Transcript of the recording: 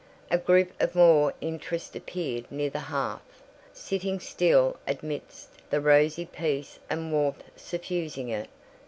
A group of more interest appeared near the hearth, sitting still amidst the rosy peace and warmth suffusing it.